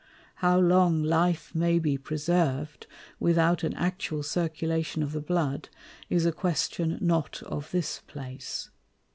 How long Life may be preserv'd without an actual Circulation of the Blood, is a Question not of this place.